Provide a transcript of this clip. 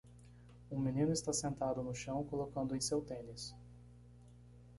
Um menino está sentado no chão colocando em seu tênis.